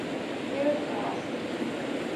Years passed.